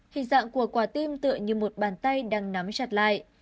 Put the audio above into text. hình dạng của quả tim tựa như một bàn tay đang nắm chặt lại